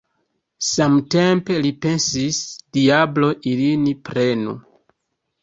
Samtempe li pensis: Diablo ilin prenu!